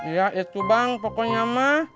ya itu bang pokoknya mah